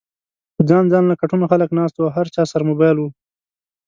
پۀ ځان ځانله کټونو خلک ناست وو او هر چا سره موبايل ؤ